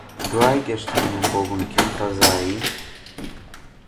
دوای گەیشتنیان بۆ بنکەی فەزایی